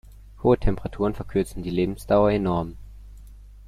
Hohe Temperaturen verkürzen die Lebensdauer enorm.